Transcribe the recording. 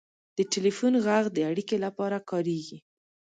• د ټلیفون ږغ د اړیکې لپاره کارېږي.